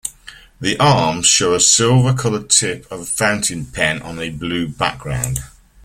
The arms show a silver-colored tip of a fountain pen on a blue background.